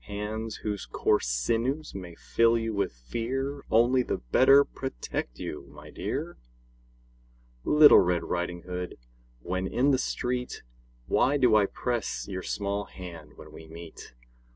Hands whose coarse sinews may fill you with fear Only the better protect you, my dear! Little Red Riding Hood, when in the street, Why do I press your small hand when we meet?